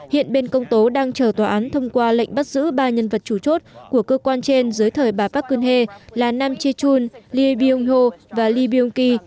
hiện bên công tố đang chờ tòa án thông qua lệnh bắt giữ ba nhân vật chủ chốt của cơ quan trên dưới thời bà park geun hye là nam chae chun lee byung ho và lee byung ki